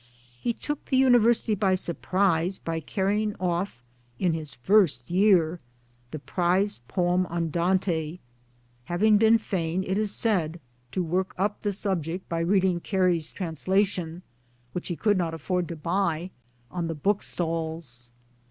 He took the University by surprise by carrying off, in his first year, the prize poem on Dante having been fain, it is said, to work up thte; 62 MY DAYS AND DREAMS subject by readinig Gary's translation (which he could not afford to buy) on the bookstalls.